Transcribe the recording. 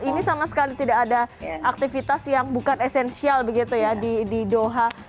ini sama sekali tidak ada aktivitas yang bukan esensial begitu ya di doha